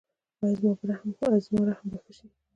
ایا زما رحم به ښه شي؟